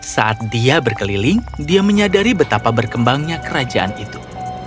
saat dia berkeliling dia menyadari betapa berkembangnya kerajaan itu